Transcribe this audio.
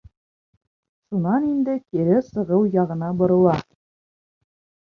Шунан инде кире сығыу яғына борола.